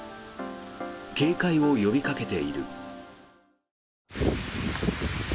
警戒を呼びかけている。